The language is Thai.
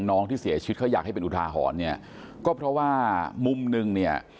น้องที่เสียชิ้นเขาอยากให้เป็นอุทาหอนก็เพราะว่ามุมหนึ่ง